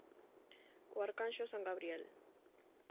O arcanxo san Gabriel.